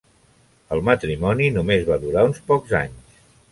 El matrimoni només va durar uns pocs anys.